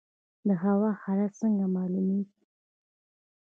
د هوا حالات څنګه معلومیږي؟